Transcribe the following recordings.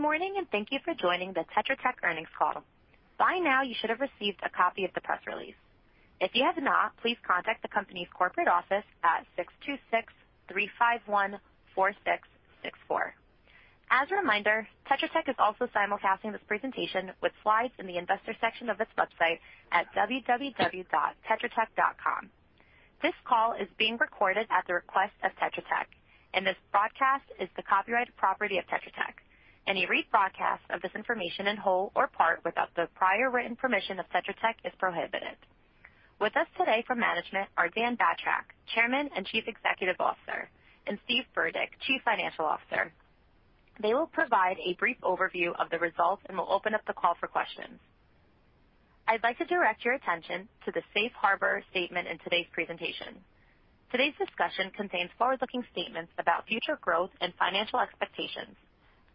Good morning, thank you for joining the Tetra Tech earnings call. By now, you should have received a copy of the press release. If you have not, please contact the company's corporate office at 626-351-4664. As a reminder, Tetra Tech is also simulcasting this presentation with slides in the investors section of its website at www.tetratech.com. This call is being recorded at the request of Tetra Tech, and this broadcast is the copyrighted property of Tetra Tech. Any rebroadcast of this information in whole or part without the prior written permission of Tetra Tech is prohibited. With us today from management are Dan Batrack, Chairman and Chief Executive Officer, and Steve Burdick, Chief Financial Officer. They will provide a brief overview of the results and will open up the call for questions. I'd like to direct your attention to the safe harbor statement in today's presentation. Today's discussion contains forward-looking statements about future growth and financial expectations.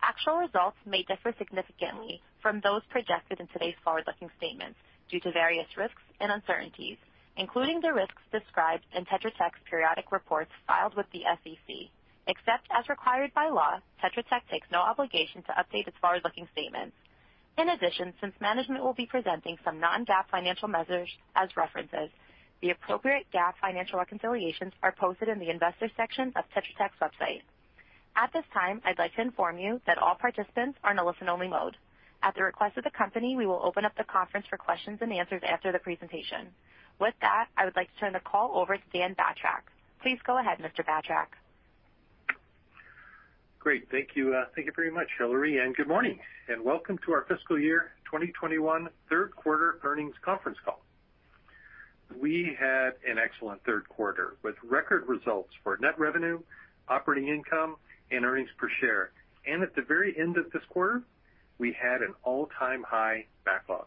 Actual results may differ significantly from those projected in today's forward-looking statements due to various risks and uncertainties, including the risks described in Tetra Tech's periodic reports filed with the SEC. Except as required by law, Tetra Tech takes no obligation to update its forward-looking statements. In addition, since management will be presenting some non-GAAP financial measures as references, the appropriate GAAP financial reconciliations are posted in the investors section of Tetra Tech's website. At this time, I'd like to inform you that all participants are in listen-only mode. At the request of the company, we will open up the conference for questions and answers after the presentation. With that, I would like to turn the call over to Dan Batrack. Please go ahead, Mr. Batrack. Great. Thank you. Thank you very much, Hillary. Good morning, and welcome to our fiscal year 2021 third quarter earnings conference call. We had an excellent third quarter with record results for net revenue, operating income, and earnings per share. At the very end of this quarter, we had an all-time high backlog.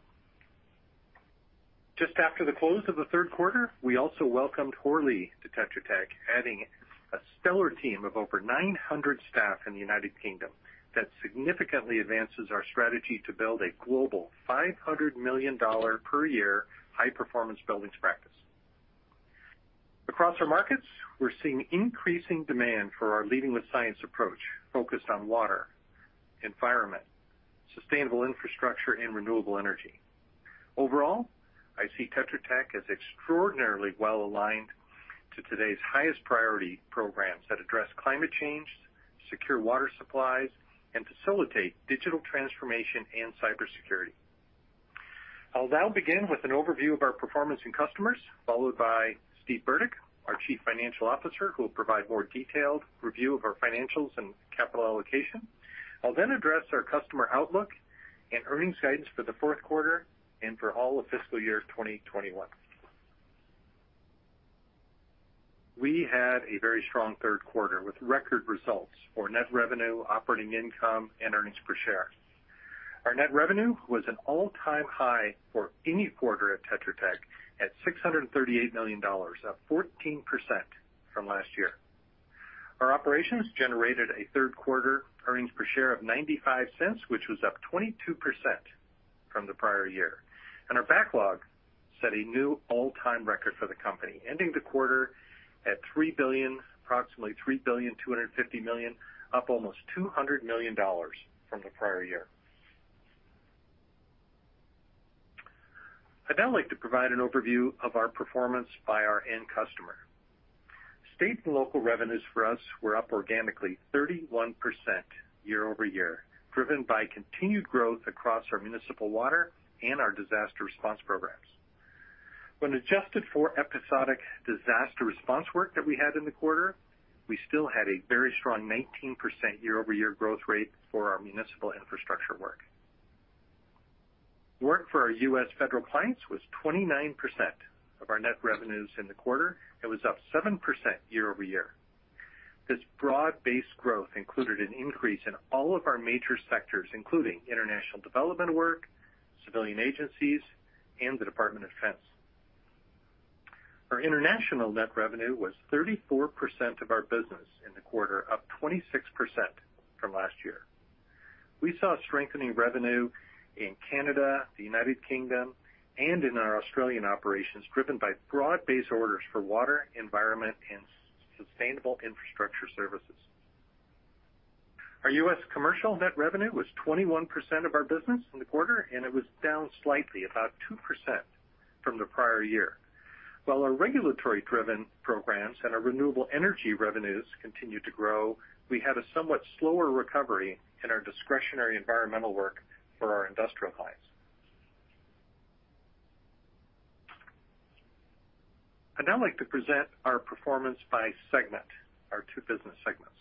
Just after the close of the third quarter, we also welcomed Hoare Lea to Tetra Tech, adding a stellar team of over 900 staff in the U.K. that significantly advances our strategy to build a global $500 million per year high-performance buildings practice. Across our markets, we're seeing increasing demand for our Leading with Science approach, focused on water, environment, sustainable infrastructure, and renewable energy. Overall, I see Tetra Tech as extraordinarily well-aligned to today's highest priority programs that address climate change, secure water supplies, and facilitate digital transformation and cybersecurity. I'll now begin with an overview of our performance and customers, followed by Steve Burdick, our Chief Financial Officer, who will provide more detailed review of our financials and capital allocation. I'll address our customer outlook and earnings guidance for the fourth quarter and for all of fiscal year 2021. We had a very strong third quarter with record results for net revenue, operating income, and earnings per share. Our net revenue was an all-time high for any quarter at Tetra Tech at $638 million, up 14% from last year. Our operations generated a third-quarter earnings per share of $0.95, which was up 22% from the prior year. Our backlog set a new all-time record for the company, ending the quarter at approximately $3.25 billion, up almost $200 million from the prior year. I'd now like to provide an overview of our performance by our end customer. State and local revenues for us were up organically 31% year-over-year, driven by continued growth across our municipal water and our disaster response programs. When adjusted for episodic disaster response work that we had in the quarter, we still had a very strong 19% year-over-year growth rate for our municipal infrastructure work. Work for our U.S. federal clients was 29% of our net revenues in the quarter. It was up 7% year-over-year. This broad-based growth included an increase in all of our major sectors, including international development work, civilian agencies, and the Department of Defense. Our international net revenue was 34% of our business in the quarter, up 26% from last year. We saw strengthening revenue in Canada, the United Kingdom, and in our Australian operations, driven by broad-based orders for water, environment, and sustainable infrastructure services. Our U.S. commercial net revenue was 21% of our business in the quarter, and it was down slightly, about 2%, from the prior year. While our regulatory-driven programs and our renewable energy revenues continued to grow, we had a somewhat slower recovery in our discretionary environmental work for our industrial clients. I'd now like to present our performance by segment, our two business segments.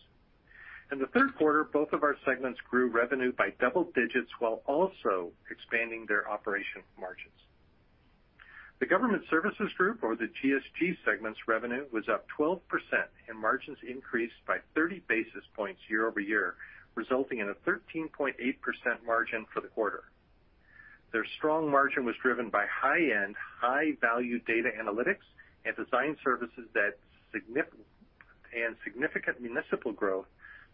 In the third quarter, both of our segments grew revenue by double digits while also expanding their operation margins. The Government Services Group, or the GSG segment's revenue, was up 12%, and margins increased by 30 basis points year-over-year, resulting in a 13.8% margin for the quarter. Their strong margin was driven by high-end, high-value data analytics and design services, and significant municipal growth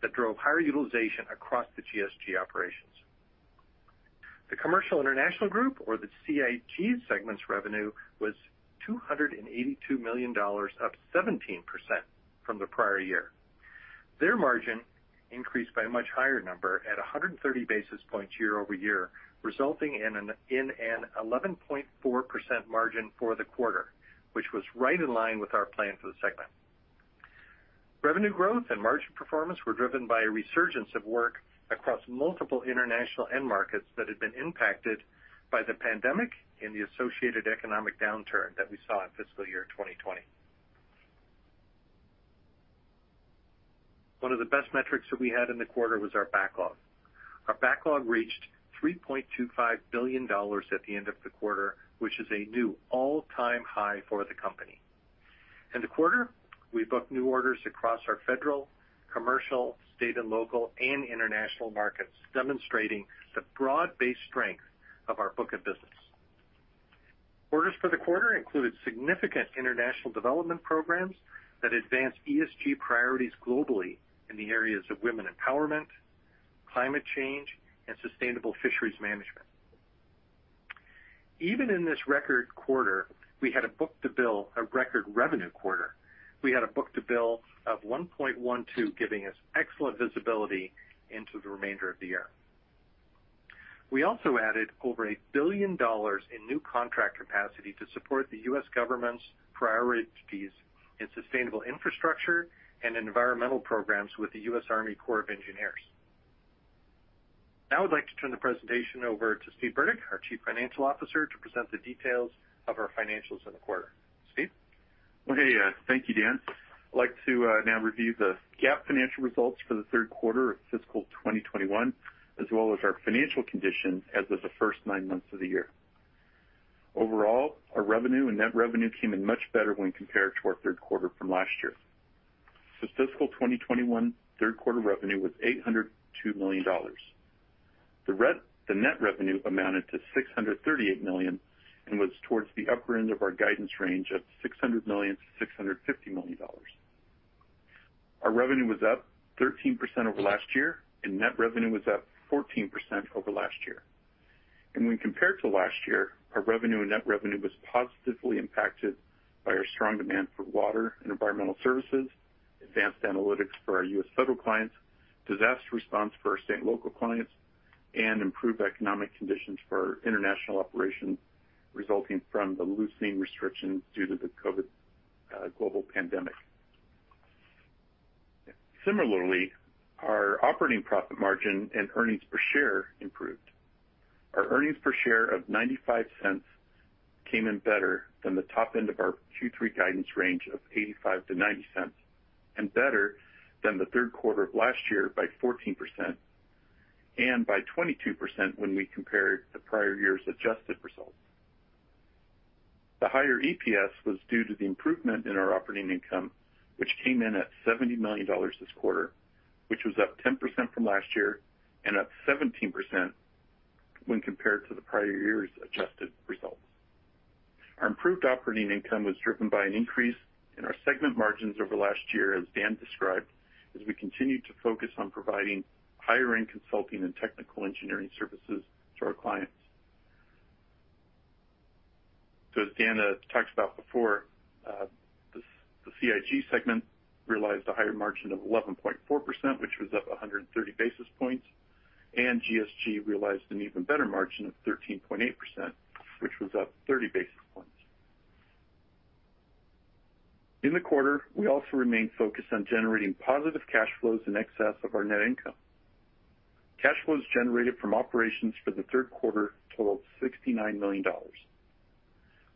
that drove higher utilization across the GSG operations. The Commercial/International Group, or the CIG segment's revenue, was $282 million, up 17% from the prior year. Their margin increased by a much higher number at 130 basis points year-over-year, resulting in an 11.4% margin for the quarter, which was right in line with our plan for the segment. Revenue growth and margin performance were driven by a resurgence of work across multiple international end markets that had been impacted by the pandemic and the associated economic downturn that we saw in fiscal year 2020. One of the best metrics that we had in the quarter was our backlog. Our backlog reached $3.25 billion at the end of the quarter, which is a new all-time high for the company. In the quarter, we booked new orders across our federal, commercial, state and local, and international markets, demonstrating the broad-based strength of our book of business. Orders for the quarter included significant international development programs that advanced ESG priorities globally in the areas of women empowerment, climate change, and sustainable fisheries management. Even in this record quarter, we had a book-to-bill, a record revenue quarter. We had a book-to-bill of 1.12, giving us excellent visibility into the remainder of the year. We also added over $1 billion in new contract capacity to support the U.S. government's priorities in sustainable infrastructure and environmental programs with the U.S. Army Corps of Engineers. Now I would like to turn the presentation over to Steve Burdick, our chief financial officer, to present the details of our financials in the quarter. Steve? Thank you, Dan. I'd like to now review the GAAP financial results for the third quarter of fiscal 2021, as well as our financial condition as of the first nine months of the year. Our revenue and net revenue came in much better when compared to our third quarter from last year. Fiscal 2021 3rd quarter revenue was $802 million. The net revenue amounted to $638 million and was towards the upper end of our guidance range of $600 million-$650 million. Our revenue was up 13% over last year, and net revenue was up 14% over last year. When compared to last year, our revenue and net revenue was positively impacted by our strong demand for water and environmental services, advanced analytics for our U.S. federal clients, disaster response for our state and local clients, and improved economic conditions for international operations resulting from the loosening restrictions due to the COVID global pandemic. Similarly, our operating profit margin and earnings per share improved. Our earnings per share of $0.95 came in better than the top end of our Q3 guidance range of $0.85-$0.90, and better than the third quarter of last year by 14%, and by 22% when we compared the prior year's adjusted results. The higher EPS was due to the improvement in our operating income, which came in at $70 million this quarter, which was up 10% from last year, and up 17% when compared to the prior year's adjusted results. Our improved operating income was driven by an increase in our segment margins over last year, as Dan described, as we continued to focus on providing higher-end consulting and technical engineering services to our clients. As Dan talked about before, the CIG segment realized a higher margin of 11.4%, which was up 130 basis points, and GSG realized an even better margin of 13.8%, which was up 30 basis points. In the quarter, we also remained focused on generating positive cash flows in excess of our net income. Cash flows generated from operations for the third quarter totaled $69 million.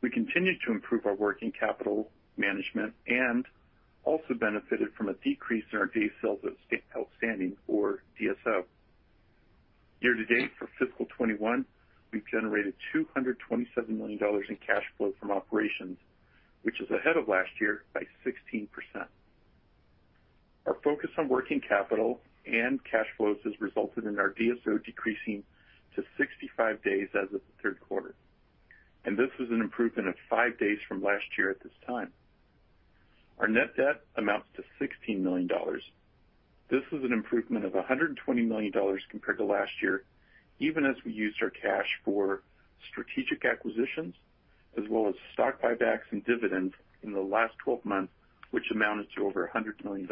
We continued to improve our working capital management and also benefited from a decrease in our days sales of outstanding, or DSO. Year to date for fiscal 2021, we've generated $227 million in cash flow from operations, which is ahead of last year by 16%. Our focus on working capital and cash flows has resulted in our DSO decreasing to 65 days as of the third quarter. This is an improvement of five days from last year at this time. Our net debt amounts to $16 million. This is an improvement of $120 million compared to last year, even as we used our cash for strategic acquisitions, as well as stock buybacks and dividends in the last 12 months, which amounted to over $100 million.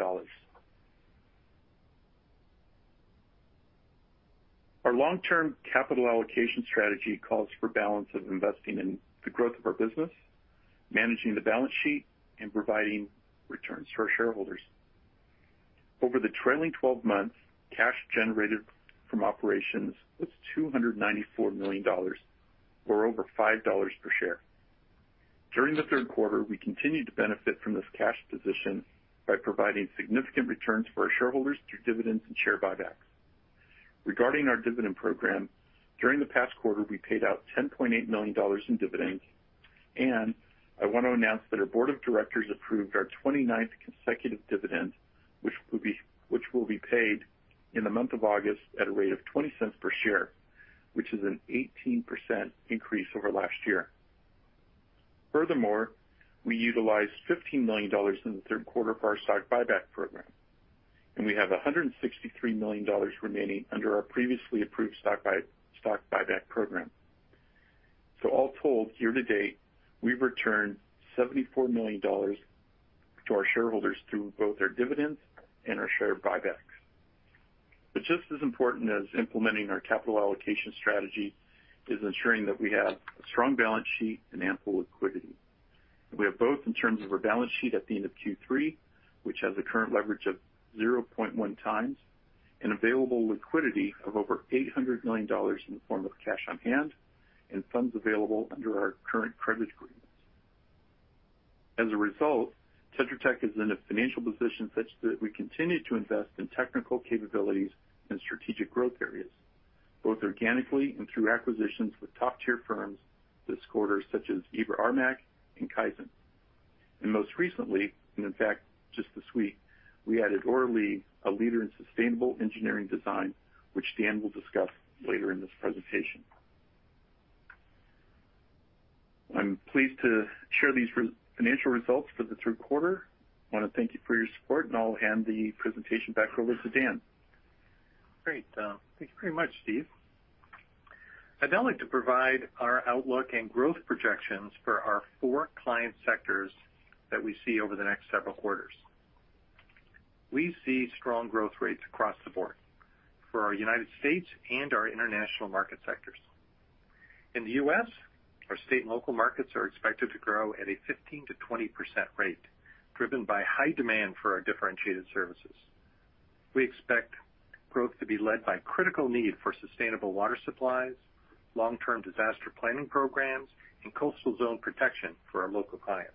Our long-term capital allocation strategy calls for balance of investing in the growth of our business, managing the balance sheet, and providing returns for our shareholders. Over the trailing 12 months, cash generated from operations was $294 million, or over $5 per share. During the third quarter, we continued to benefit from this cash position by providing significant returns for our shareholders through dividends and share buybacks. Regarding our dividend program, during the past quarter, we paid out $10.8 million in dividends, and I want to announce that our board of directors approved our 29th consecutive dividend, which will be paid in the month of August at a rate of $0.20 per share, which is an 18% increase over last year. Furthermore, we utilized $15 million in the third quarter for our stock buyback program, and we have $163 million remaining under our previously approved stock buyback program. All told, year to date, we've returned $74 million to our shareholders through both our dividends and our share buybacks. Just as important as implementing our capital allocation strategy is ensuring that we have a strong balance sheet and ample liquidity. We have both in terms of our balance sheet at the end of Q3, which has a current leverage of 0.1 times and available liquidity of over $800 million in the form of cash on hand and funds available under our current credit agreements. As a result, Tetra Tech is in a financial position such that we continue to invest in technical capabilities and strategic growth areas, both organically and through acquisitions with top-tier firms this quarter, such as IBRA-RMAC and The Kaizen Company. Most recently, and in fact, just this week, we added Hoare Lea, a leader in sustainable engineering design, which Dan will discuss later in this presentation. I'm pleased to share these financial results for the third quarter. I want to thank you for your support, and I'll hand the presentation back over to Dan. Great. Thank you very much, Steve. I'd now like to provide our outlook and growth projections for our four client sectors that we see over the next several quarters. We see strong growth rates across the board for our U.S. and our international market sectors. In the U.S., our state and local markets are expected to grow at a 15%-20% rate, driven by high demand for our differentiated services. We expect growth to be led by critical need for sustainable water supplies, long-term disaster planning programs, and coastal zone protection for our local clients.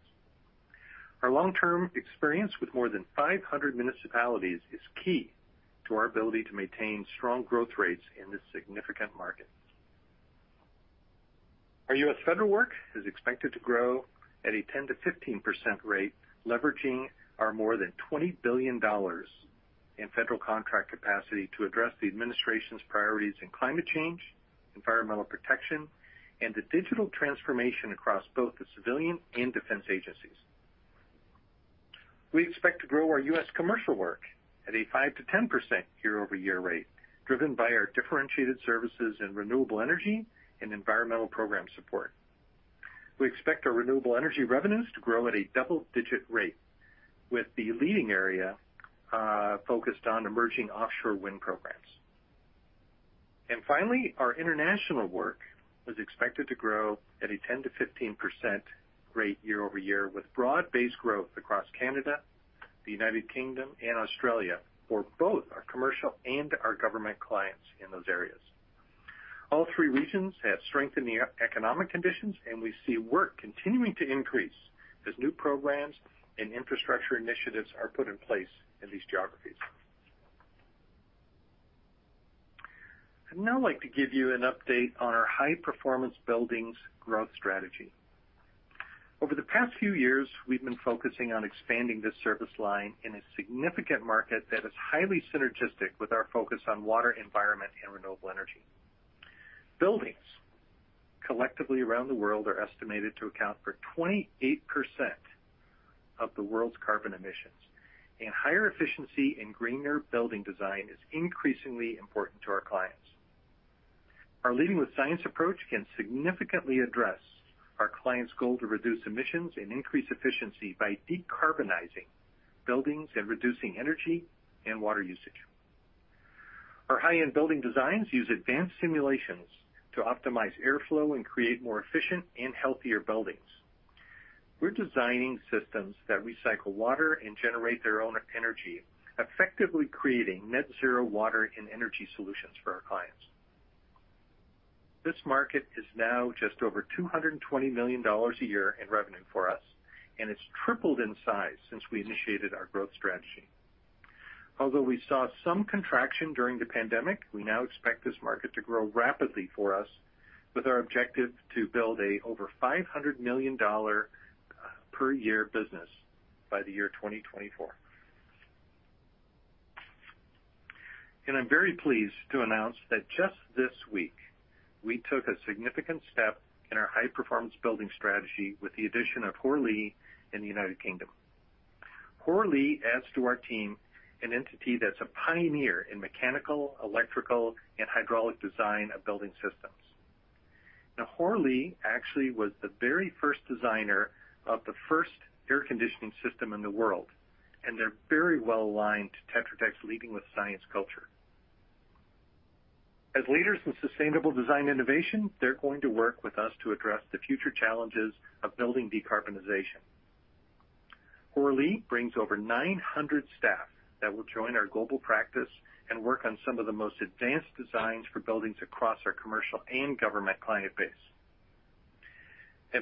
Our long-term experience with more than 500 municipalities is key to our ability to maintain strong growth rates in this significant market. Our U.S. federal work is expected to grow at a 10%-15% rate, leveraging our more than $20 billion in federal contract capacity to address the administration's priorities in climate change, environmental protection, and the digital transformation across both the civilian and defense agencies. We expect to grow our U.S. commercial work at a 5%-10% year-over-year rate, driven by our differentiated services in renewable energy and environmental program support. We expect our renewable energy revenues to grow at a double-digit rate, with the leading area focused on emerging offshore wind programs. Finally, our international work is expected to grow at a 10%-15% rate year-over-year, with broad-based growth across Canada, the United Kingdom, and Australia for both our commercial and our government clients in those areas. All three regions have strengthened the economic conditions, and we see work continuing to increase as new programs and infrastructure initiatives are put in place in these geographies. I'd now like to give you an update on our high-performance buildings growth strategy. Over the past few years, we've been focusing on expanding this service line in a significant market that is highly synergistic with our focus on water, environment, and renewable energy. Buildings collectively around the world are estimated to account for 28% of the world's carbon emissions, and higher efficiency and greener building design is increasingly important to our clients. Our Leading with Science approach can significantly address our clients' goal to reduce emissions and increase efficiency by decarbonizing buildings and reducing energy and water usage. Our high-end building designs use advanced simulations to optimize airflow and create more efficient and healthier buildings. We're designing systems that recycle water and generate their own energy, effectively creating net zero water and energy solutions for our clients. This market is now just over $220 million a year in revenue for us. It's tripled in size since we initiated our growth strategy. Although we saw some contraction during the pandemic, we now expect this market to grow rapidly for us with our objective to build an over $500 million per year business by the year 2024. I'm very pleased to announce that just this week, we took a significant step in our high-performance building strategy with the addition of Hoare Lea in the U.K. Hoare Lea adds to our team an entity that's a pioneer in mechanical, electrical, and hydraulic design of building systems. Hoare Lea actually was the very first designer of the first air conditioning system in the world, and they're very well aligned to Tetra Tech's Leading with Science culture. As leaders in sustainable design innovation, they're going to work with us to address the future challenges of building decarbonization. Hoare Lea brings over 900 staff that will join our global practice and work on some of the most advanced designs for buildings across our commercial and government client base.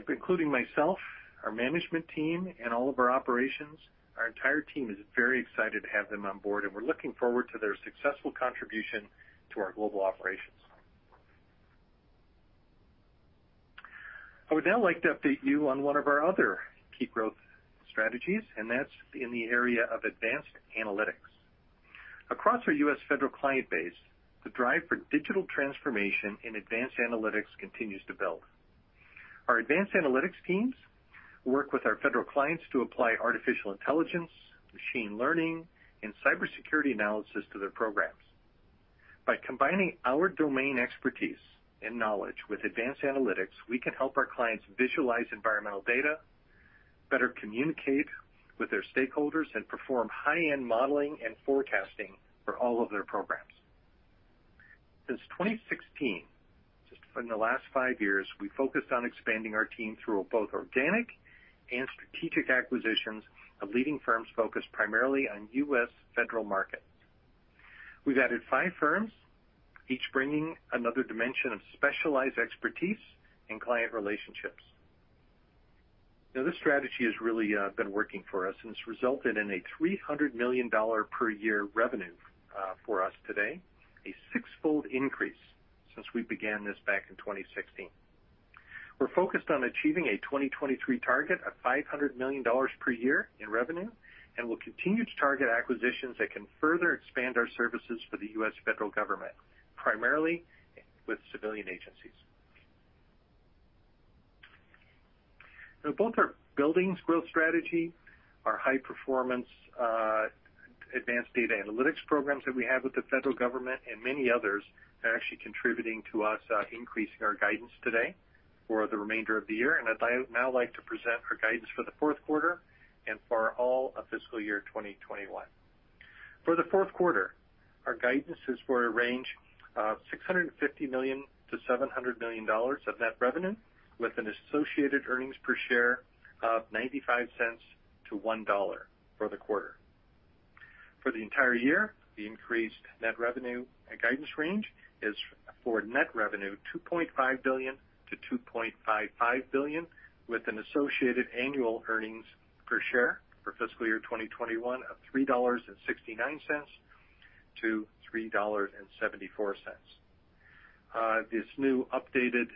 Including myself, our management team, and all of our operations, our entire team is very excited to have them on board, and we're looking forward to their successful contribution to our global operations. I would now like to update you on one of our other key growth strategies, and that's in the area of advanced analytics. Across our U.S. federal client base, the drive for digital transformation in advanced analytics continues to build. Our advanced analytics teams work with our federal clients to apply artificial intelligence, machine learning, and cybersecurity analysis to their programs. By combining our domain expertise and knowledge with advanced analytics, we can help our clients visualize environmental data, better communicate with their stakeholders, and perform high-end modeling and forecasting for all of their programs. Since 2016, just in the last five years, we focused on expanding our team through both organic and strategic acquisitions of leading firms focused primarily on U.S. federal markets. We've added five firms, each bringing another dimension of specialized expertise and client relationships. This strategy has really been working for us, and it's resulted in a $300 million per year revenue for us today, a six-fold increase since we began this back in 2016. We're focused on achieving a 2023 target of $500 million per year in revenue, and we'll continue to target acquisitions that can further expand our services for the U.S. federal government, primarily with civilian agencies. Both our buildings growth strategy, our high-performance advanced data analytics programs that we have with the federal government, and many others are actually contributing to us increasing our guidance today for the remainder of the year. I'd now like to present our guidance for the fourth quarter and for all of fiscal year 2021. For the fourth quarter, our guidance is for a range of $650 million-$700 million of net revenue with an associated earnings per share of $0.95-$1 for the quarter. For the entire year, the increased net revenue and guidance range is for net revenue $2.5 billion-$2.55 billion, with an associated annual earnings per share for fiscal year 2021 of $3.69-$3.74. This new updated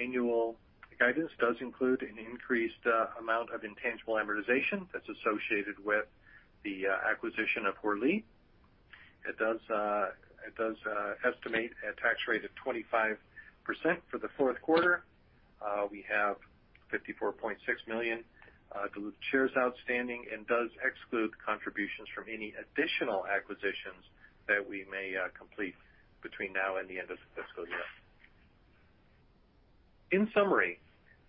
annual guidance does include an increased amount of intangible amortization that's associated with the acquisition of Hoare Lea. It does estimate a tax rate of 25% for the fourth quarter. We have 54.6 million diluted shares outstanding and does exclude contributions from any additional acquisitions that we may complete between now and the end of the fiscal year. In summary,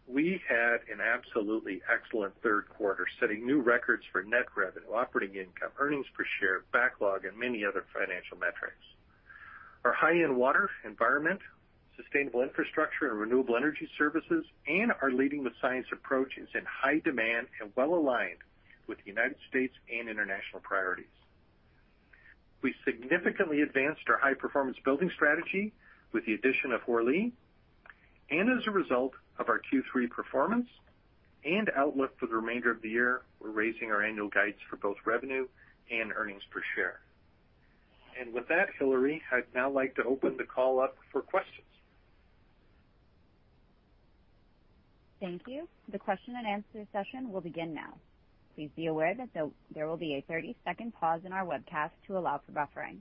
we had an absolutely excellent third quarter, setting new records for net revenue, operating income, earnings per share, backlog, and many other financial metrics. Our high-end water, environment, sustainable infrastructure, and renewable energy services and our Leading with Science approach is in high demand and well-aligned with United States and international priorities. We significantly advanced our high-performance building strategy with the addition of Hoare Lea. As a result of our Q3 performance and outlook for the remainder of the year, we're raising our annual guides for both revenue and earnings per share. With that, Hillary, I'd now like to open the call up for questions. Thank you. The question and answer session will begin now. Please be aware that there will be a 30-second pause in our webcast to allow for buffering.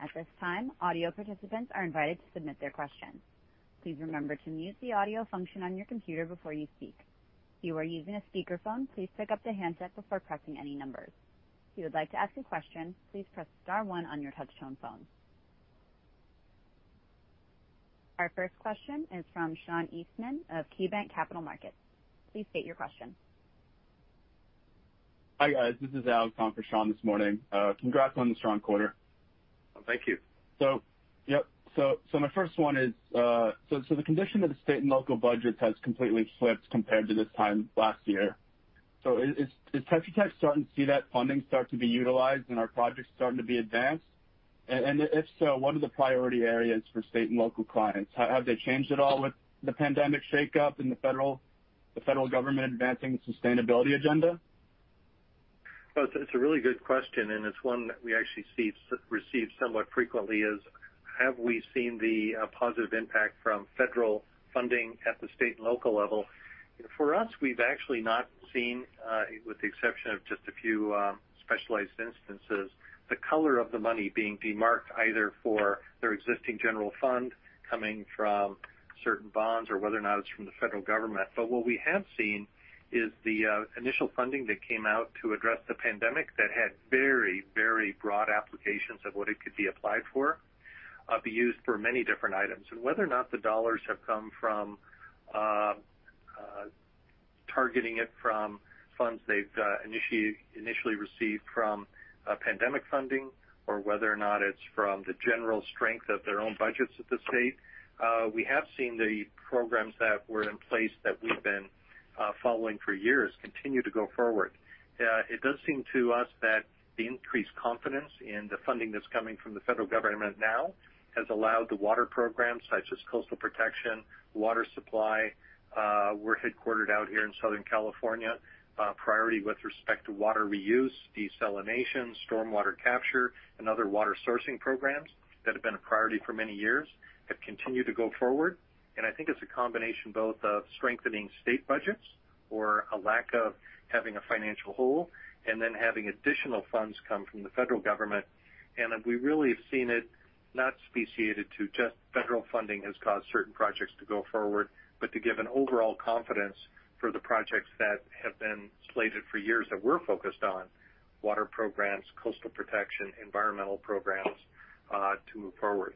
At this time, audio participants are invited to submit their questions. Please remember to mute the audio function on your computer before you speak. If you are using a speakerphone, please pick up the handset before pressing any numbers. If you would like to ask a question, please press star one on your touch-tone phone. Our first question is from Sean Eastman of KeyBanc Capital Markets. Please state your question. Hi, guys. This is Alex on for Sean this morning. Congrats on the strong quarter. Thank you. My first one is, the condition of the state and local budgets has completely flipped compared to this time last year. Is Tetra Tech starting to see that funding start to be utilized and our projects starting to be advanced? If so, what are the priority areas for state and local clients? Have they changed at all with the pandemic shakeup and the federal government advancing the sustainability agenda? It's a really good question, and it's one that we actually receive somewhat frequently is, have we seen the positive impact from federal funding at the state and local level? For us, we've actually not seen, with the exception of just a few specialized instances, the color of the money being demarked either for their existing general fund coming from certain bonds or whether or not it's from the federal government. What we have seen is the initial funding that came out to address the pandemic that had very broad applications of what it could be applied for, be used for many different items. Whether or not the dollars have come from targeting it from funds they've initially received from pandemic funding or whether or not it's from the general strength of their own budgets at the state, we have seen the programs that were in place that we've been following for years continue to go forward. It does seem to us that the increased confidence in the funding that's coming from the federal government now has allowed the water programs such as coastal protection, water supply. We're headquartered out here in Southern California. Priority with respect to water reuse, desalination, stormwater capture, and other water sourcing programs that have been a priority for many years have continued to go forward. I think it's a combination both of strengthening state budgets or a lack of having a financial hole, and then having additional funds come from the federal government. We really have seen it not speciated to just federal funding has caused certain projects to go forward, but to give an overall confidence for the projects that have been slated for years that we're focused on, water programs, coastal protection, environmental programs, to move forward.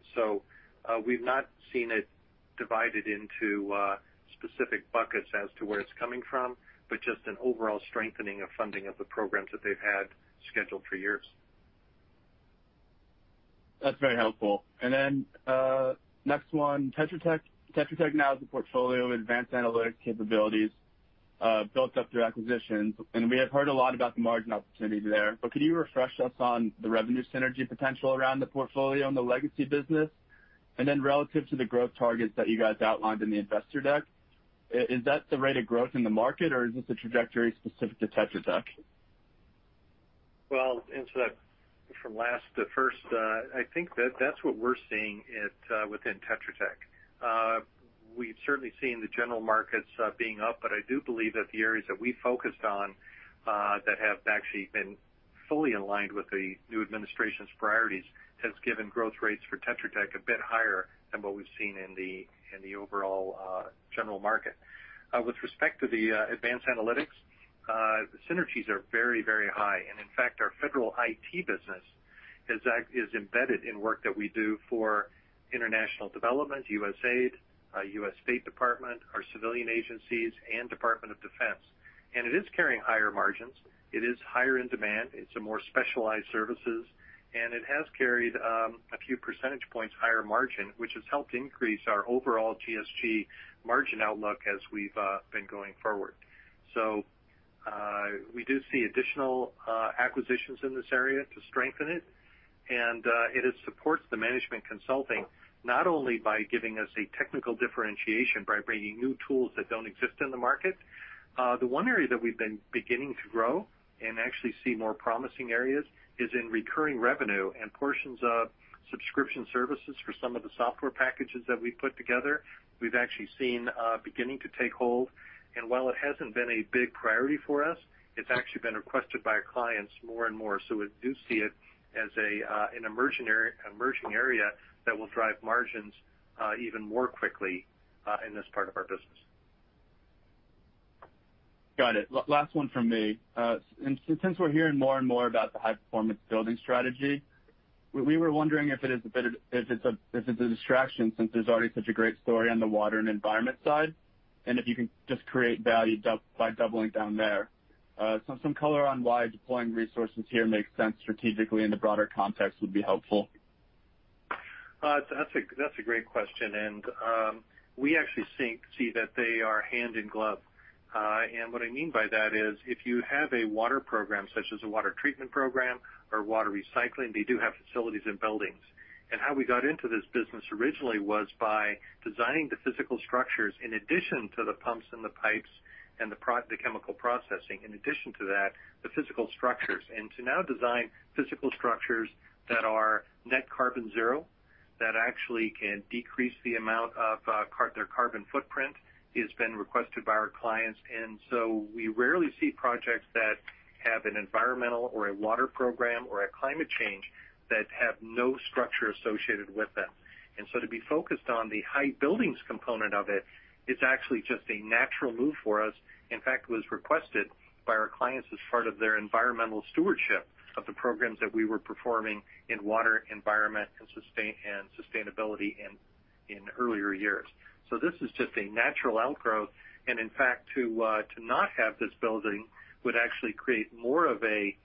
We've not seen it divided into specific buckets as to where it's coming from, but just an overall strengthening of funding of the programs that they've had scheduled for years. That's very helpful. Next one, Tetra Tech now has a portfolio of advanced analytic capabilities built up through acquisitions, and we have heard a lot about the margin opportunities there. Could you refresh us on the revenue synergy potential around the portfolio and the legacy business? Relative to the growth targets that you guys outlined in the investor deck, is that the rate of growth in the market, or is this a trajectory specific to Tetra Tech? That from last to first, I think that that's what we're seeing within Tetra Tech. We've certainly seen the general markets being up, but I do believe that the areas that we focused on that have actually been fully aligned with the new administration's priorities has given growth rates for Tetra Tech a bit higher than what we've seen in the overall general market. With respect to the advanced analytics, synergies are very, very high. In fact, our federal IT business is embedded in work that we do for international development, USAID, U.S. State Department, our civilian agencies, and Department of Defense. It is carrying higher margins. It is higher in demand. It's a more specialized services, it has carried a few percentage points higher margin, which has helped increase our overall GSG margin outlook as we've been going forward. We do see additional acquisitions in this area to strengthen it. It supports the management consulting not only by giving us a technical differentiation, by bringing new tools that don't exist in the market. The one area that we've been beginning to grow and actually see more promising areas is in recurring revenue and portions of subscription services for some of the software packages that we've put together, we've actually seen beginning to take hold. While it hasn't been a big priority for us, it's actually been requested by our clients more and more. We do see it as an emerging area that will drive margins even more quickly in this part of our business. Got it. Last one from me. Since we're hearing more and more about the high-performance building strategy, we were wondering if it is a distraction since there's already such a great story on the water and environment side, and if you can just create value by doubling down there. Some color on why deploying resources here makes sense strategically in the broader context would be helpful. That's a great question. We actually see that they are hand in glove. What I mean by that is if you have a water program such as a water treatment program or water recycling, they do have facilities and buildings. How we got into this business originally was by designing the physical structures in addition to the pumps and the pipes and the chemical processing. To now design physical structures that are net zero, that actually can decrease the amount of their carbon footprint, has been requested by our clients. We rarely see projects that have an environmental or a water program or a climate change that have no structure associated with them. To be focused on the high-performance buildings component of it is actually just a natural move for us. In fact, it was requested by our clients as part of their environmental stewardship of the programs that we were performing in water, environment, and sustainability in earlier years. This is just a natural outgrowth. In fact, to not have this building would actually create more of a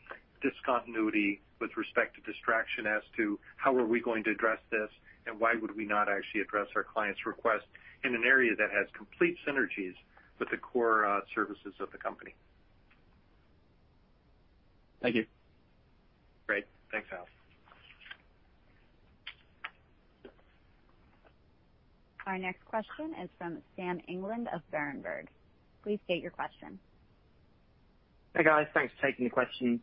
discontinuity with respect to distraction as to how are we going to address this, and why would we not actually address our client's request in an area that has complete synergies with the core services of the company. Thank you. Great. Thanks, Al. Our next question is from Sam England of Berenberg. Please state your question. Hey, guys. Thanks for taking the question.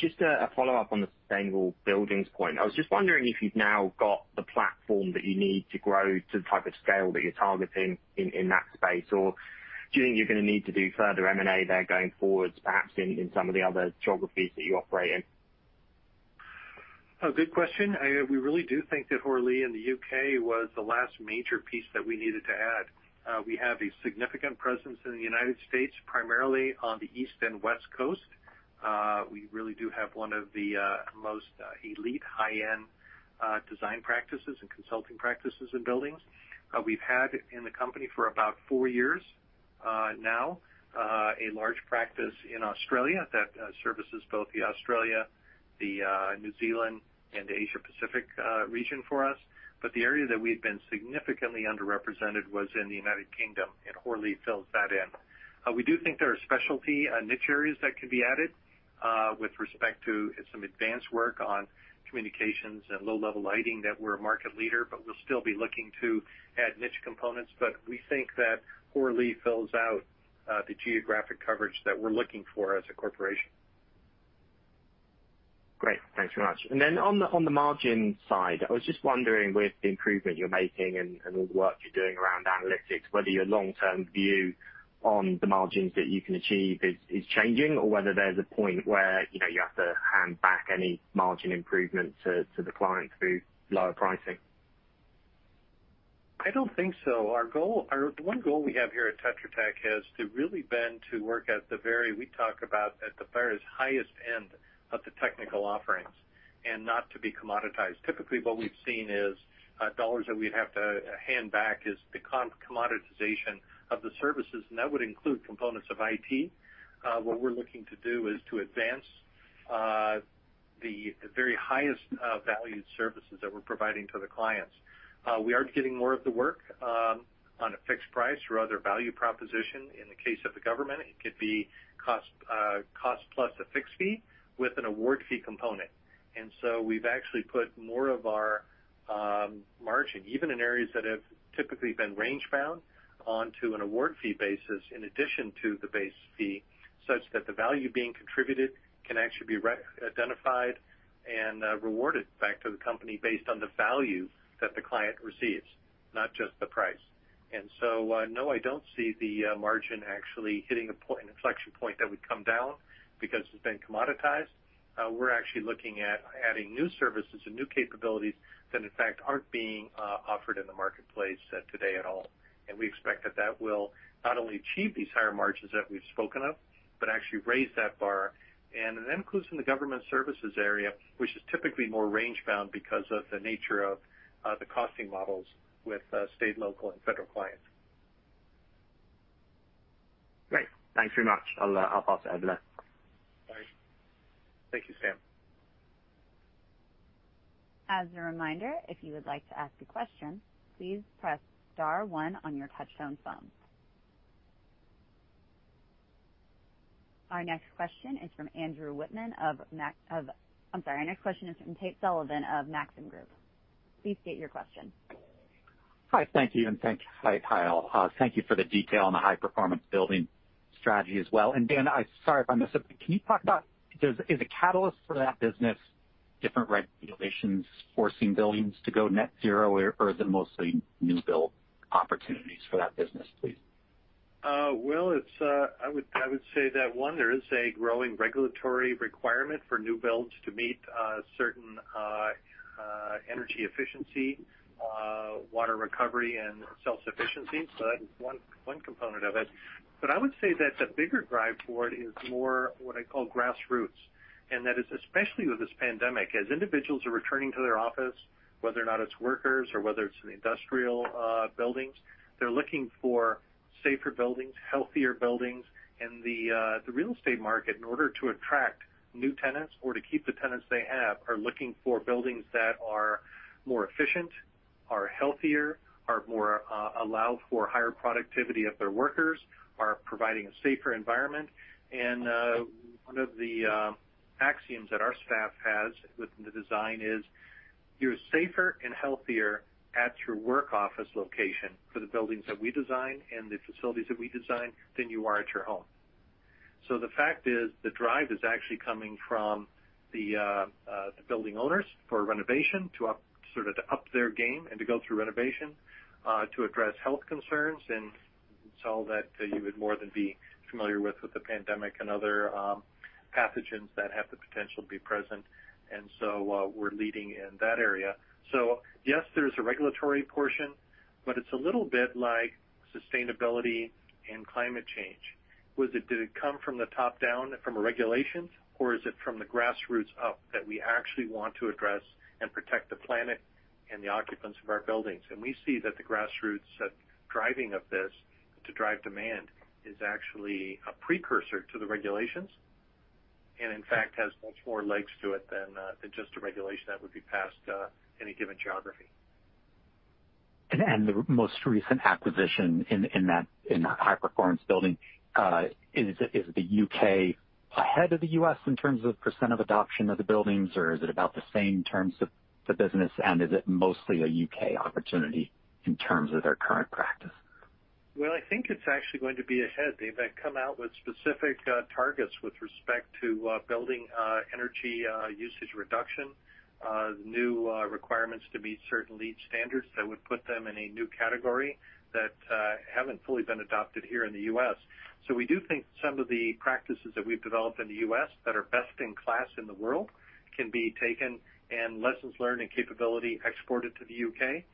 Just a follow-up on the sustainable buildings point, I was just wondering if you've now got the platform that you need to grow to the type of scale that you're targeting in that space, or do you think you're going to need to do further M&A there going forwards, perhaps in some of the other geographies that you operate in? A good question. We really do think that Hoare Lea in the U.K. was the last major piece that we needed to add. We have a significant presence in the U.S., primarily on the East and West Coast. We really do have one of the most elite high-end design practices and consulting practices in buildings. We've had in the company for about four years now a large practice in Australia that services both Australia, New Zealand and Asia Pacific region for us. The area that we've been significantly underrepresented was in the U.K., and Hoare Lea fills that in. We do think there are specialty niche areas that can be added, with respect to some advanced work on communications and low-level lighting that we're a market leader, but we'll still be looking to add niche components. We think that Hoare Lea fills out the geographic coverage that we're looking for as a corporation. Great. Thanks very much. On the margin side, I was just wondering, with the improvement you're making and all the work you're doing around analytics, whether your long-term view on the margins that you can achieve is changing, or whether there's a point where you have to hand back any margin improvements to the client through lower pricing. I don't think so. The one goal we have here at Tetra Tech has to really been to work at the very, we talk about at the various highest end of the technical offerings and not to be commoditized. Typically, what we've seen is, dollars that we'd have to hand back is the commoditization of the services, and that would include components of IT. What we're looking to do is to advance the very highest valued services that we're providing to the clients. We are getting more of the work on a fixed price or other value proposition. In the case of the government, it could be cost plus a fixed fee with an award fee component. We've actually put more of our margin, even in areas that have typically been range-bound, onto an award fee basis, in addition to the base fee, such that the value being contributed can actually be identified and rewarded back to the company based on the value that the client receives, not just the price. No, I don't see the margin actually hitting an inflection point that would come down because it's been commoditized. We're actually looking at adding new services and new capabilities that, in fact, aren't being offered in the marketplace today at all. We expect that that will not only achieve these higher margins that we've spoken of, but actually raise that bar. That includes in the government services area, which is typically more range-bound because of the nature of the costing models with state, local, and federal clients. Great. Thanks very much. I'll pass to Evelyn. Bye. Thank you, Sam. As a reminder, if you would like to ask a question, please press star one on your touchtone phone. Our next question is from Tate Sullivan of Maxim Group. Please state your question. Hi. Thank you, and hi, Kyle. Thank you for the detail on the high-performance building strategy as well. Dan, sorry if I mess up, but can you talk about, is a catalyst for that business different regulations forcing buildings to go net zero, or is it mostly new build opportunities for that business, please? I would say that, one, there is a growing regulatory requirement for new builds to meet certain energy efficiency, water recovery, and self-sufficiency. That is one component of it. I would say that the bigger drive for it is more what I call grassroots, and that is especially with this pandemic. As individuals are returning to their office, whether or not it's workers or whether it's in industrial buildings, they're looking for safer buildings, healthier buildings. The real estate market, in order to attract new tenants or to keep the tenants they have, are looking for buildings that are more efficient, are healthier, allow for higher productivity of their workers, are providing a safer environment. One of the axioms that our staff has within the design is you're safer and healthier at your work office location for the buildings that we design and the facilities that we design than you are at your home. The fact is, the drive is actually coming from the building owners for renovation to sort of up their game and to go through renovation, to address health concerns, and it's all that you would more than be familiar with the pandemic and other pathogens that have the potential to be present. We're leading in that area. Yes, there's a regulatory portion, but it's a little bit like sustainability and climate change. Did it come from the top down from a regulation, or is it from the grassroots up that we actually want to address and protect the planet and the occupants of our buildings? We see that the grassroots driving of this to drive demand is actually a precursor to the regulations, and in fact, has much more legs to it than just a regulation that would be passed any given geography. The most recent acquisition in that high-performance building, is the U.K. ahead of the U.S. in terms of % of adoption of the buildings, or is it about the same terms of the business, and is it mostly a U.K. opportunity in terms of their current practice? Well, I think it's actually going to be ahead. They've come out with specific targets with respect to building energy usage reduction, new requirements to meet certain lead standards that would put them in a new category that haven't fully been adopted here in the U.S. We do think some of the practices that we've developed in the U.S. that are best in class in the world can be taken, and lessons learned and capability exported to the U.K.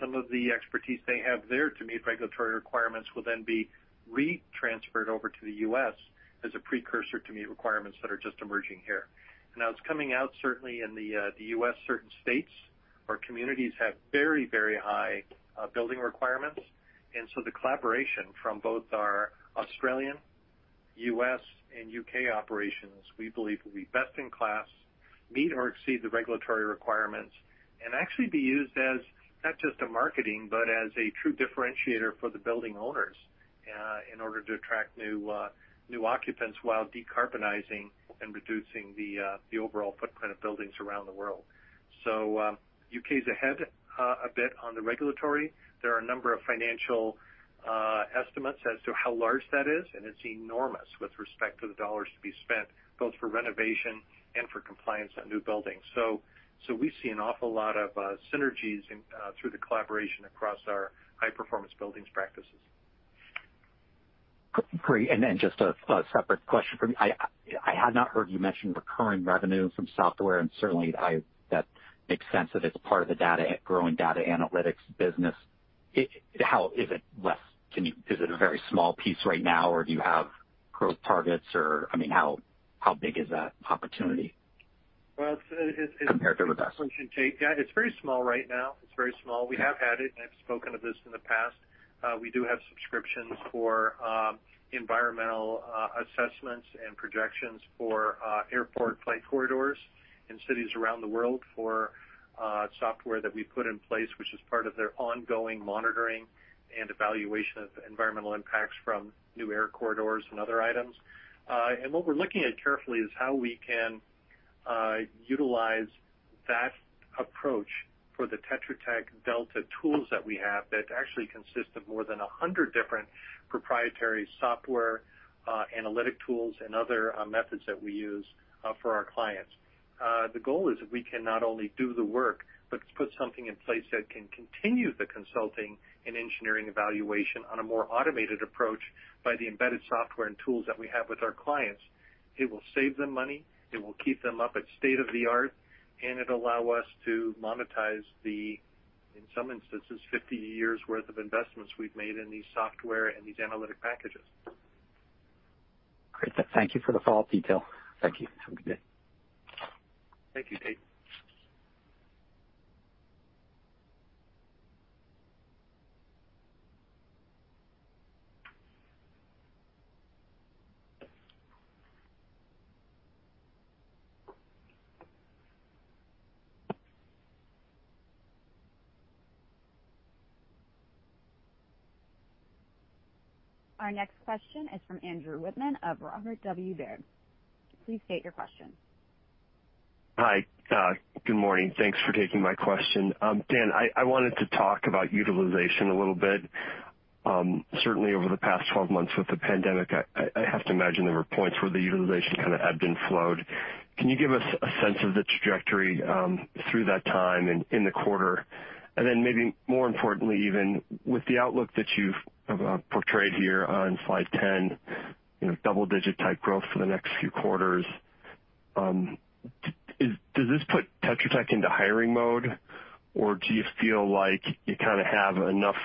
Some of the expertise they have there to meet regulatory requirements will then be retransferred over to the U.S. as a precursor to meet requirements that are just emerging here. Now, it's coming out certainly in the U.S., certain states. Our communities have very, very high building requirements. The collaboration from both our Australian, U.S., and U.K. operations, we believe, will be best in class, meet or exceed the regulatory requirements, and actually be used as not just a marketing but as a true differentiator for the building owners, in order to attract new occupants while decarbonizing and reducing the overall footprint of buildings around the world. U.K.'s ahead a bit on the regulatory. There are a number of financial estimates as to how large that is, and it's enormous with respect to the dollars to be spent, both for renovation and for compliance on new buildings. We see an awful lot of synergies through the collaboration across our high-performance buildings practices. Great. Just a separate question from me. I had not heard you mention recurring revenue from software, and certainly, that makes sense that it's part of the growing data analytics business. Is it a very small piece right now, or do you have growth targets? How big is that opportunity compared to the rest? Yeah, it's pretty small right now. It's very small. We have had it, and I've spoken of this in the past. We do have subscriptions for environmental assessments and projections for airport flight corridors in cities around the world for software that we put in place, which is part of their ongoing monitoring and evaluation of environmental impacts from new air corridors and other items. What we're looking at carefully is how we can utilize that approach for the Tetra Tech Delta tools that we have that actually consist of more than 100 different proprietary software, analytic tools, and other methods that we use for our clients. The goal is that we can not only do the work but put something in place that can continue the consulting and engineering evaluation on a more automated approach by the embedded software and tools that we have with our clients. It will save them money, it will keep them up at state-of-the-art, and it'll allow us to monetize the, in some instances, 50 years' worth of investments we've made in these software and these analytic packages. Great. Thank you for the follow-up detail. Thank you. Have a good day. Thank you, Tate. Our next question is from Andrew Wittmann of Robert W. Baird. Please state your question. Hi. Good morning. Thanks for taking my question. Dan, I wanted to talk about utilization a little bit. Certainly, over the past 12 months with the pandemic, I have to imagine there were points where the utilization kind of ebbed and flowed. Can you give us a sense of the trajectory through that time and in the quarter? Then maybe more importantly, even with the outlook that you've portrayed here on slide 10, double-digit type growth for the next few quarters, does this put Tetra Tech into hiring mode, or do you feel like you kind of have enough,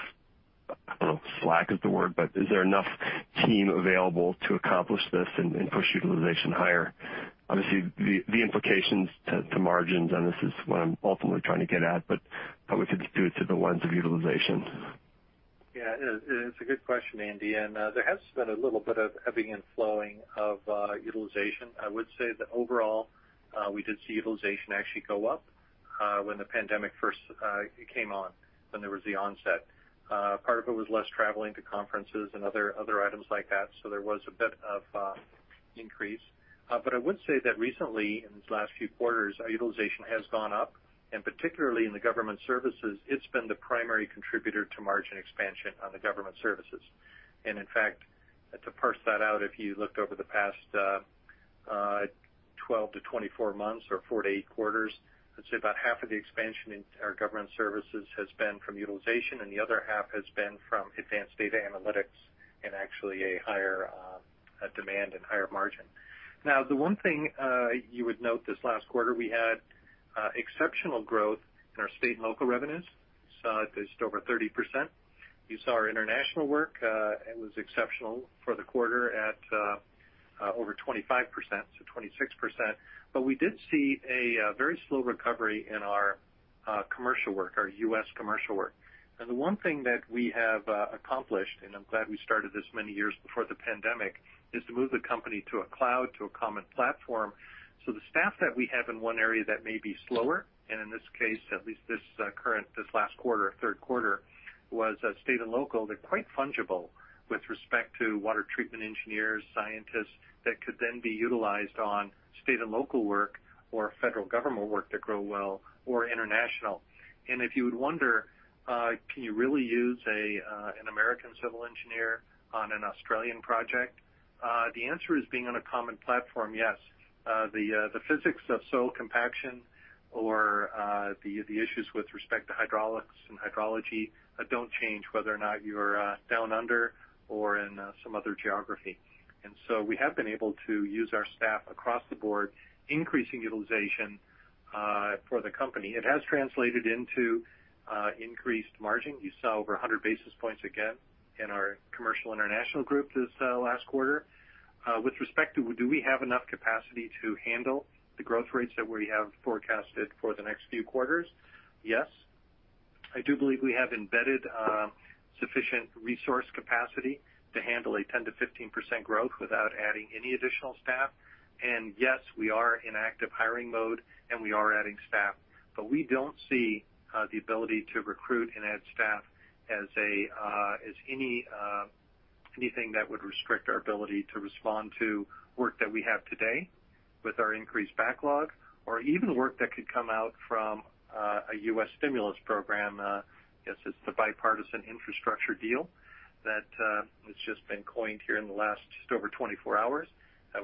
I don't know if slack is the word, but is there enough team available to accomplish this and push utilization higher? Obviously, the implications to margins, and this is what I'm ultimately trying to get at, but probably could just do it through the lens of utilization. Yeah, it's a good question, Andy. There has been a little bit of ebbing and flowing of utilization. I would say that overall, we did see utilization actually go up when the pandemic first came on, when there was the onset. Part of it was less traveling to conferences and other items like that, so there was a bit of increase. I would say that recently, in these last few quarters, our utilization has gone up, and particularly in the government services, it's been the primary contributor to margin expansion on the government services. In fact, to parse that out, if you looked over the past 12-24 months or four to eight quarters, I'd say about half of the expansion in our Government Services Group has been from utilization, and the other half has been from advanced data analytics and actually a higher demand and higher margin. The one thing you would note this last quarter, we had exceptional growth in our state and local revenues. You saw it was just over 30%. You saw our international work. It was exceptional for the quarter at over 25%, so 26%. We did see a very slow recovery in our commercial work, our U.S. commercial work. The one thing that we have accomplished, and I'm glad we started this many years before the pandemic, is to move the company to a cloud, to a common platform. The staff that we have in one area that may be slower, and in this case, at least this last quarter, third quarter, was state and local. They're quite fungible with respect to water treatment engineers, scientists, that could then be utilized on state and local work or federal government work that grow well or international. If you would wonder, can you really use an American civil engineer on an Australian project? The answer is, being on a common platform, yes. The physics of soil compaction or the issues with respect to hydraulics and hydrology don't change whether or not you're down under or in some other geography. We have been able to use our staff across the board, increasing utilization for the company. It has translated into increased margin. You saw over 100 basis points again in our Commercial/International Group this last quarter. With respect to do we have enough capacity to handle the growth rates that we have forecasted for the next few quarters? Yes. I do believe we have embedded sufficient resource capacity to handle a 10%-15% growth without adding any additional staff. Yes, we are in active hiring mode and we are adding staff, but we don't see the ability to recruit and add staff as anything that would restrict our ability to respond to work that we have today with our increased backlog or even work that could come out from a U.S. stimulus program. I guess it's the bipartisan infrastructure deal that has just been coined here in the last just over 24 hours.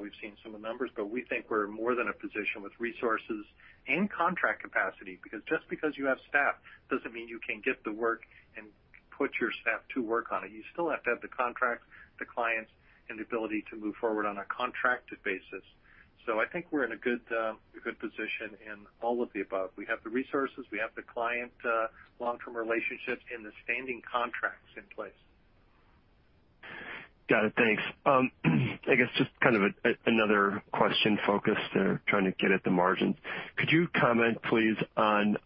We've seen some of the numbers, but we think we're more than in a position with resources and contract capacity, because just because you have staff doesn't mean you can get the work and put your staff to work on it. You still have to have the contracts, the clients, and the ability to move forward on a contracted basis. I think we're in a good position in all of the above. We have the resources, we have the client long-term relationships, and the standing contracts in place. Got it, thanks. I guess just another question focused or trying to get at the margins. Could you comment, please, on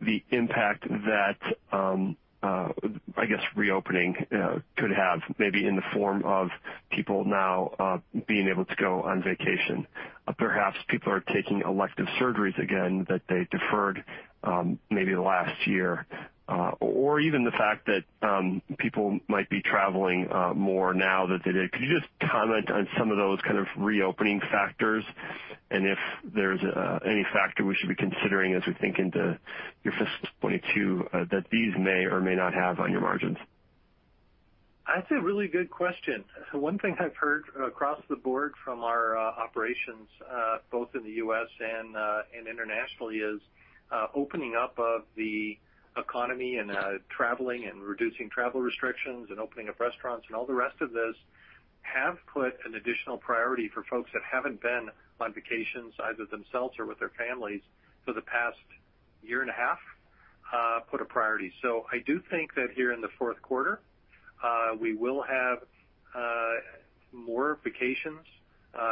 the impact that, I guess, reopening could have maybe in the form of people now being able to go on vacation? Perhaps people are taking elective surgeries again that they deferred maybe last year. Even the fact that people might be traveling more now than they did. Could you just comment on some of those kind of reopening factors, and if there's any factor we should be considering as we think into your fiscal 2022, that these may or may not have on your margins? That's a really good question. One thing I've heard across the board from our operations, both in the U.S. and internationally, is opening up of the economy and traveling and reducing travel restrictions and opening up restaurants and all the rest of this have put an additional priority for folks that haven't been on vacations, either themselves or with their families, for the past year and a half, put a priority. I do think that here in the fourth quarter, we will have more vacations.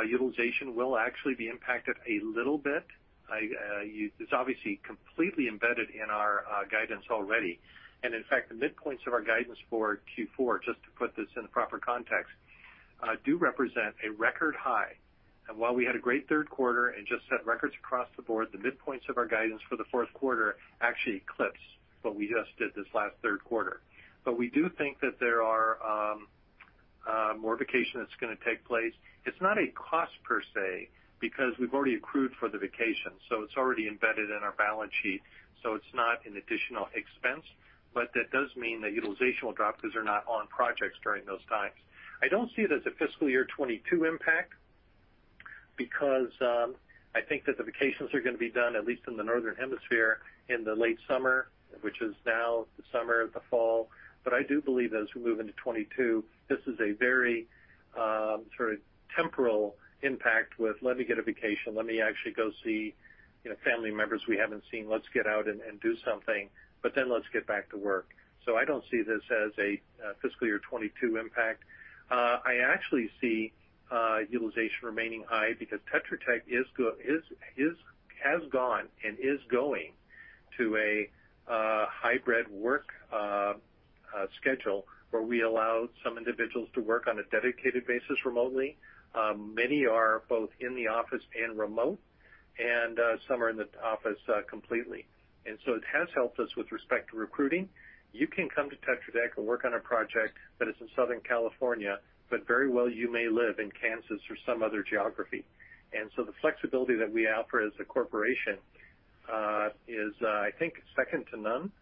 Utilization will actually be impacted a little bit. It's obviously completely embedded in our guidance already. In fact, the midpoints of our guidance for Q4, just to put this in the proper context, do represent a record high. While we had a great third quarter and just set records across the board, the midpoints of our guidance for the fourth quarter actually eclipse what we just did this last third quarter. We do think that there are more vacations that's going to take place. It's not a cost per se because we've already accrued for the vacation, so it's already embedded in our balance sheet, so it's not an additional expense. That does mean that utilization will drop because they're not on projects during those times. I don't see it as a fiscal year 2022 impact because I think that the vacations are going to be done, at least in the Northern Hemisphere, in the late summer, which is now the summer, the fall. I do believe as we move into 2022, this is a very sort of temporal impact with, "Let me get a vacation. Let me actually go see family members we haven't seen. Let's get out and do something, but then let's get back to work." I don't see this as a fiscal year 2022 impact. I actually see utilization remaining high because Tetra Tech has gone and is going to a hybrid work schedule where we allow some individuals to work on a dedicated basis remotely. Many are both in the office and remote, and some are in the office completely. It has helped us with respect to recruiting. You can come to Tetra Tech and work on a project that is in Southern California, but very well you may live in Kansas or some other geography. The flexibility that we offer as a corporation is, I think, second to none.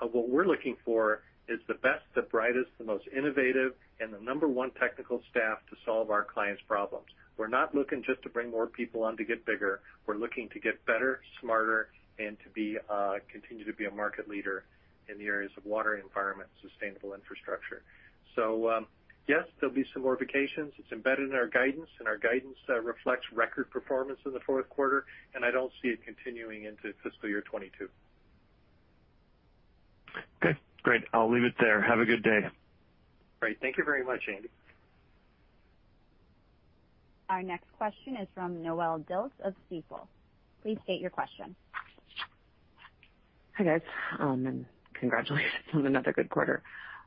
What we're looking for is the best, the brightest, the most innovative, and the number one technical staff to solve our clients' problems. We're not looking just to bring more people on to get bigger. We're looking to get better, smarter, and to continue to be a market leader in the areas of water, environment, sustainable infrastructure. Yes, there'll be some more vacations. It's embedded in our guidance, and our guidance reflects record performance in the fourth quarter, and I don't see it continuing into fiscal year 2022. Okay, great. I'll leave it there. Have a good day. Great. Thank you very much, Andy. Our next question is from Noelle Dilts of Stifel. Please state your question. Hi, guys, congratulations on another good quarter.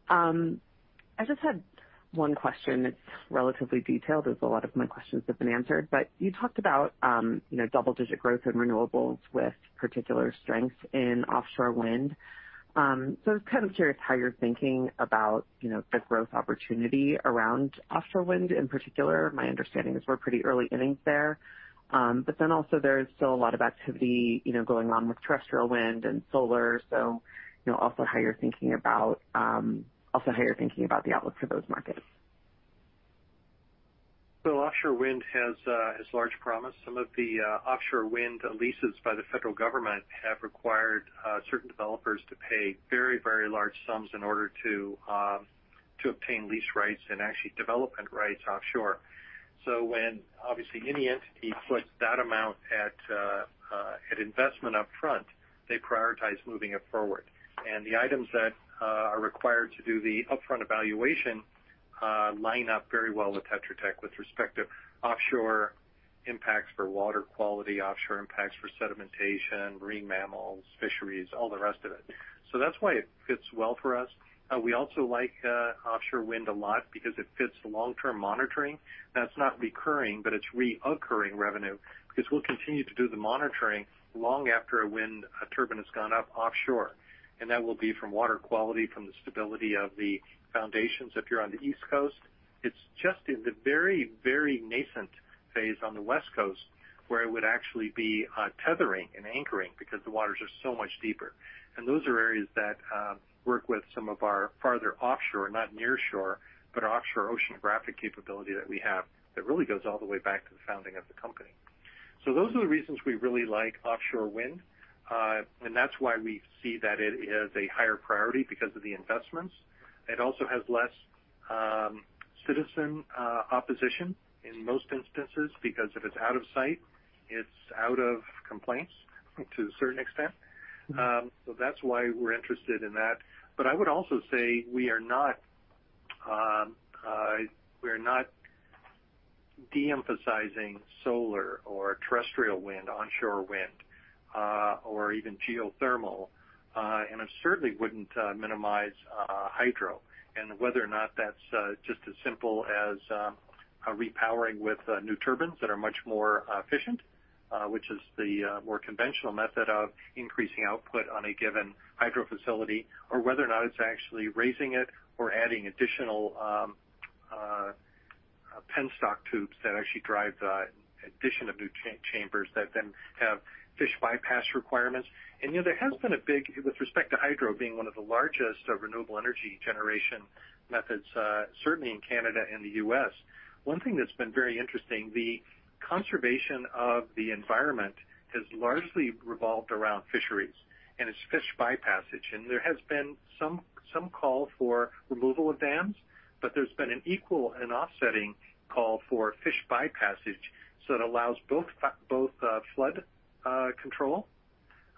I just had one question. It's relatively detailed, as a lot of my questions have been answered. You talked about double-digit growth in renewables with particular strength in offshore wind. I was kind of curious how you're thinking about the growth opportunity around offshore wind in particular. My understanding is we're pretty early innings there. Also there's still a lot of activity going on with terrestrial wind and solar. Also how you're thinking about the outlook for those markets. Well, offshore wind has large promise. Some of the offshore wind leases by the federal government have required certain developers to pay very large sums in order to obtain lease rights and actually development rights offshore. When obviously any entity puts that amount at investment upfront, they prioritize moving it forward. The items that are required to do the upfront evaluation line up very well with Tetra Tech with respect to offshore impacts for water quality, offshore impacts for sedimentation, marine mammals, fisheries, all the rest of it. That's why it fits well for us. We also like offshore wind a lot because it fits the long-term monitoring. That's not recurring, but it's reoccurring revenue, because we'll continue to do the monitoring long after a wind turbine has gone up offshore. That will be from water quality, from the stability of the foundations, if you're on the East Coast. It's just in the very nascent phase on the West Coast, where it would actually be tethering and anchoring because the waters are so much deeper. Those are areas that work with some of our farther offshore, not near shore, but offshore oceanographic capability that we have that really goes all the way back to the founding of the company. Those are the reasons we really like offshore wind. That's why we see that it is a higher priority because of the investments. It also has less citizen opposition in most instances, because if it's out of sight, it's out of complaints to a certain extent. That's why we're interested in that. I would also say we are not de-emphasizing solar or terrestrial wind, onshore wind, or even geothermal. I certainly wouldn't minimize hydro, and whether or not that's just as simple as repowering with new turbines that are much more efficient, which is the more conventional method of increasing output on a given hydro facility, or whether or not it's actually raising it or adding additional penstock tubes that actually drive the addition of new chambers that then have fish bypass requirements. There has been a big, with respect to hydro being one of the largest renewable energy generation methods, certainly in Canada and the U.S., one thing that's been very interesting, the conservation of the environment has largely revolved around fisheries and its fish bypassage. There has been some call for removal of dams, but there's been an equal and offsetting call for fish bypassage. It allows both flood control,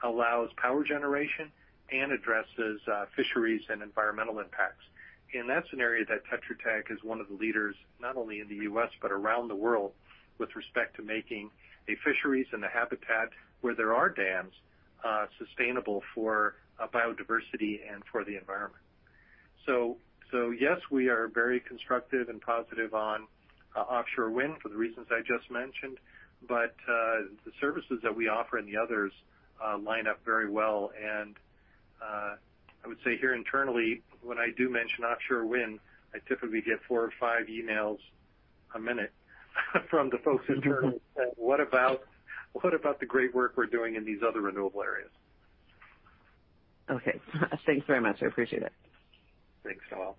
allows power generation, and addresses fisheries and environmental impacts. That's an area that Tetra Tech is one of the leaders, not only in the U.S. but around the world, with respect to making the fisheries and the habitat where there are dams, sustainable for biodiversity and for the environment. Yes, we are very constructive and positive on offshore wind for the reasons I just mentioned. The services that we offer and the others line up very well. I would say here internally, when I do mention offshore wind, I typically get four or five emails a minute from the folks internally saying, "What about the great work we're doing in these other renewable areas? Okay. Thanks very much. I appreciate it. Thanks, Noelle.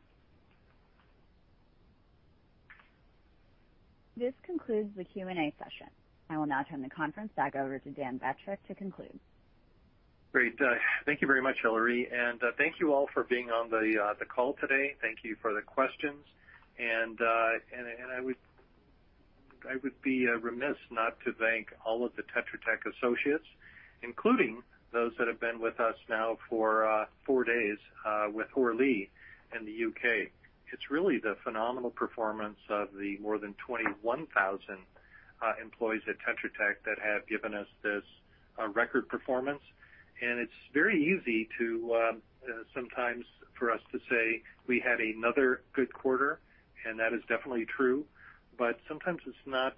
This concludes the Q&A session. I will now turn the conference back over to Dan Batrack to conclude. Great. Thank you very much, Hillary, and thank you all for being on the call today. Thank you for the questions. I would be remiss not to thank all of the Tetra Tech associates, including those that have been with us now for four days, with Hoare Lea in the U.K. It's really the phenomenal performance of the more than 21,000 employees at Tetra Tech that have given us this record performance. It's very easy to, sometimes for us to say we had another good quarter, and that is definitely true. Sometimes it's not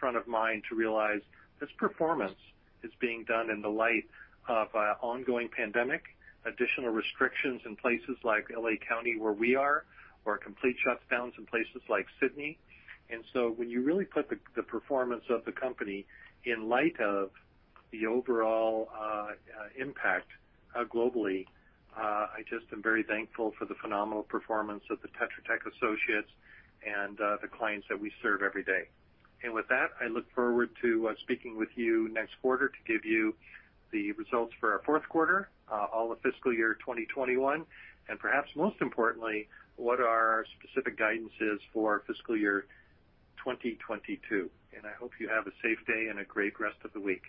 front of mind to realize this performance is being done in the light of an ongoing pandemic, additional restrictions in places like L.A. County where we are, or complete shutdowns in places like Sydney. When you really put the performance of the company in light of the overall impact globally, I just am very thankful for the phenomenal performance of the Tetra Tech associates and the clients that we serve every day. With that, I look forward to speaking with you next quarter to give you the results for our fourth quarter, all of fiscal year 2021, and perhaps most importantly, what our specific guidance is for fiscal year 2022. I hope you have a safe day and a great rest of the week.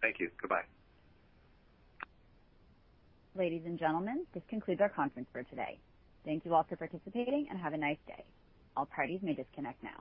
Thank you. Goodbye. Ladies and gentlemen, this concludes our conference for today. Thank you all for participating, and have a nice day. All parties may disconnect now.